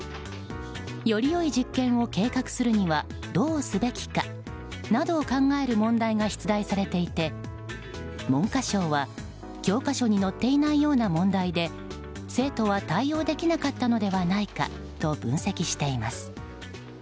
より良い実験を計画するためにはどうすべきかなどを考える問題が出題されていて文科省は、教科書に載っていないような問題で生徒は対応できなかったのではないかと分析しています。